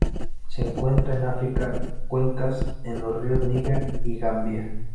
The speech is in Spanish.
Se encuentran en África: cuencas de los ríos Níger y Gambia.